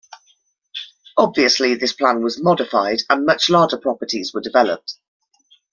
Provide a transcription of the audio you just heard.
Obviously, this plan was modified and much larger properties were developed.